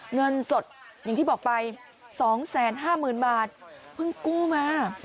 เงินสดอย่างที่บอกไปสองแสนห้าหมื่นบาทเพิ่งกู้มา